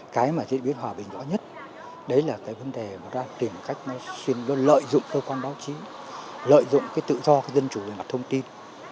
cái mà diễn biến hòa bình rõ nhất đấy là cái vấn đề tìm cách lợi dụng cơ quan báo chí lợi dụng tự do dân chủ về mặt thông tin